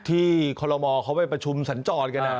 ที่คลมเขาไปประชุมสรรจอดกันนะ